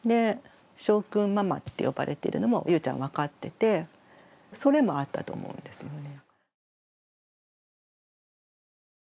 「しょうくんママ」って呼ばれてるのもゆうちゃん分かっててそれもあったと思うんですよね。